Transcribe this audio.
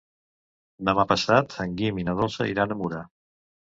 Demà passat en Guim i na Dolça iran a Mura.